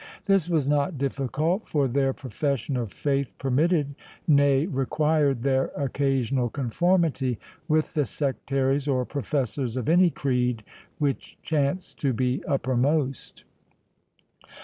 This was not difficult; for their profession of faith permitted, nay, required their occasional conformity with the sectaries or professors of any creed which chanced to be uppermost.